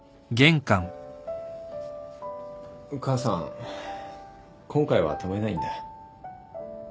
母さん今回は止めないんだ。